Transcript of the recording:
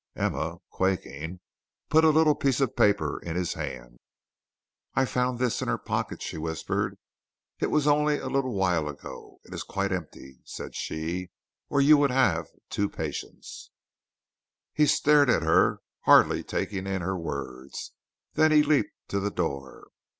Emma, quaking, put a little piece of paper in his hand. "I found this in her pocket," she whispered. "It was only a little while ago. It is quite empty," said she, "or you would have had two patients." He stared at her, hardly taking in her words. Then he leaped to the door.